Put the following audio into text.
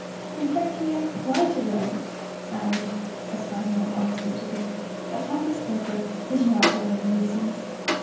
In fact, we are quite alone — and," a spasm of honesty took him, "that pump I spoke of is rather a nuisance.